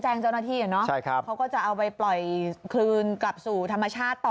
ใช่ครับเขาก็จะเอาไปปล่อยคืนกลับสู่ธรรมชาติต่อ